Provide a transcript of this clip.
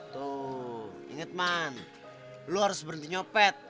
tuh inget man lo harus berhenti nyopet